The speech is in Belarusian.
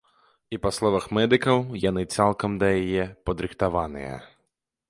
І па словах медыкаў, яны цалкам да яе падрыхтаваныя.